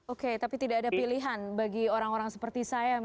oke tapi tidak ada pilihan bagi orang orang seperti saya